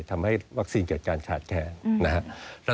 ทำให้วัคซีนเกิดการขาดแคลนนะครับ